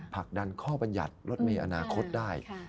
ผลักดันข้อบรรยัติรถเมย์อนาคตได้